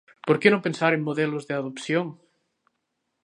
Por que non pensar en modelos de adopción?